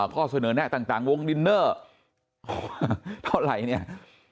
ข้อเสนอแนะต่างวงดินเนอร์เท่าไหร่เนี่ย